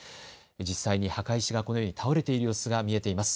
実際に墓石がこのように倒れている様子が見えています。